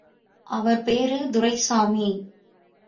அவர் பேரு துரைசாமி.